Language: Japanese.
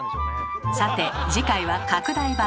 さて次回は拡大版。